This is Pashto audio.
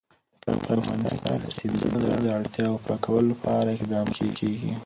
په افغانستان کې د سیندونه د اړتیاوو پوره کولو لپاره اقدامات کېږي.